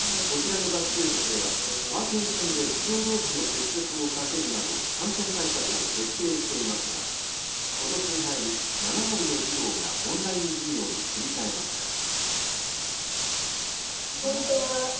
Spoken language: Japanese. こちらの学習塾ではパーティションで児童同士の接触を避けるなど感染対策を徹底していますが、今年に入り、７割の児童がオンライン授業に切り替えました。